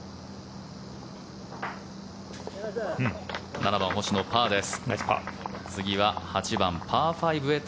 ７番、星野パーです。